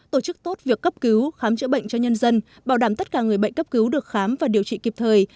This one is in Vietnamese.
tổ chức tốt việc cấp cứu khám chữa bệnh cho nhân dân bảo đảm tất cả người bệnh cấp cứu được khám và điều trị kịp thời